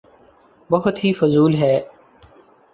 بہت ہی فضول ہے۔